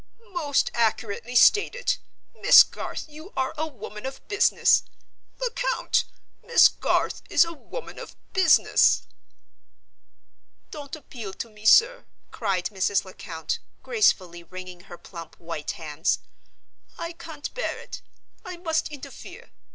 "Most accurately stated! Miss Garth, you are a woman of business. Lecount, Miss Garth is a woman of business." "Don't appeal to me, sir," cried Mrs. Lecount, gracefully wringing her plump white hands. "I can't bear it! I must interfere!